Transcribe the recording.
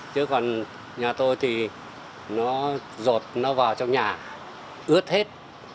chứ còn nhà tôi thì nó rột nó vào trong nhà ướt hết